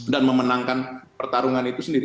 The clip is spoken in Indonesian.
dan memenangkan pertarungan itu sendiri